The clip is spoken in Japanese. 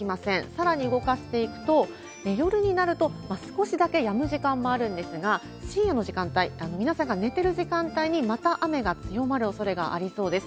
さらに動かしていくと、夜になると、少しだけやむ時間もあるんですが、深夜の時間帯、皆さんが寝てる時間帯に、また雨が強まるおそれがありそうです。